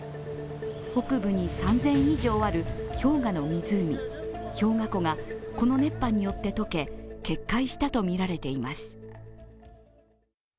北部に３０００以上ある氷河の湖、氷河湖がこの熱波によって解け決壊したとみられています。